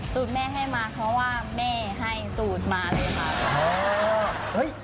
สูตรแม่ให้มาเพราะว่าแม่ให้สูตรมาเลยค่ะ